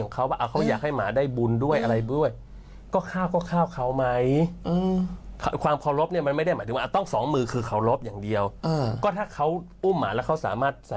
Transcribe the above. ก็ไม่ได้ผิดอะไรใช่ไหมคะ